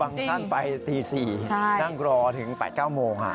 บางท่างไปตี๔นั่งรอถึง๘๙โมงค่ะ